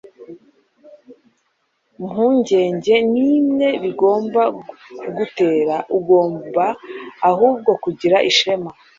mpungenge n'imwe bigomba kugutera. ugomba ahubwo kugira ishema